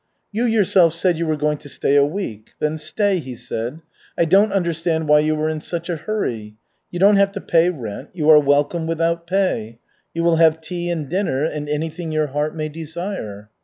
"You yourself said you were going to stay a week. Then stay," he said. "I don't understand why you are in such a hurry. You don't have to pay rent, you are welcome without pay. You will have tea and dinner and anything your heart may desire."